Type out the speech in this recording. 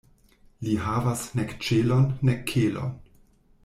Li havas nek ĉelon, nek kelon.